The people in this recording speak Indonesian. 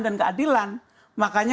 dan keadilan makanya